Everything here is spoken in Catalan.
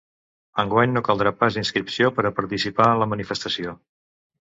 Enguany no caldrà pas inscripció per a participar en la manifestació.